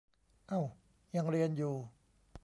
เอ้า ยังเรียนอยู่